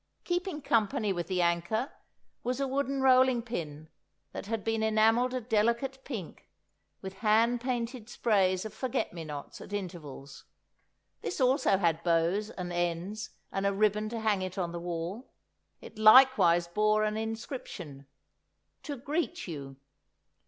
Keeping company with the anchor was a wooden rolling pin, that had been enamelled a delicate pink, with hand painted sprays of forget me nots at intervals. This also had bows and ends and a ribbon to hang it on the wall; it likewise bore an inscription: "TO GREET YOU."